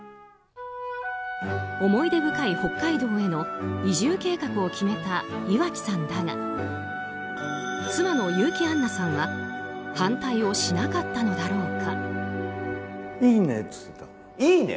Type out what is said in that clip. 思い出深い北海道への移住計画を決めた岩城さんだが妻の結城アンナさんは反対をしなかったのだろうか。